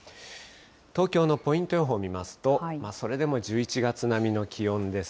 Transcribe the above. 東京のポイント予報を見ますと、それでも１１月並みの気温です。